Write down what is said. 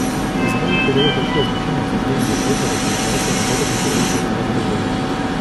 Израиль придает большое значение обсуждению вопроса об активизации работы Конференции по разоружению.